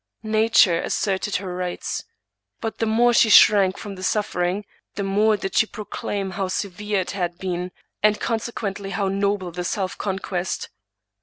Nature asserted her rights. But the more she shrank from the suffering, the more did she proclaim how severe it had been, and conse quently how noble the self conquest.